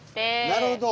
なるほど。